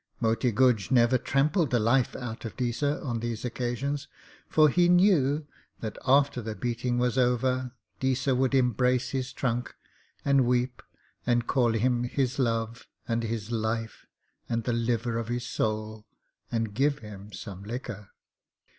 Moti Guj never trampled the life out of Deesa on these occasions, for he knew that after the beating was over Deesa would embrace his trunk, and weep and call him his love and his life and the liver of his soul, and give him some liquor.